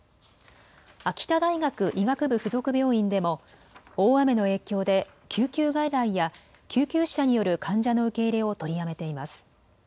秋田大学医学部附属病院でも大雨の影響で救急外来や救急車による患者の受け入れを取りやめています。